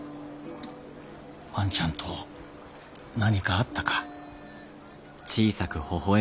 万ちゃんと何かあったか？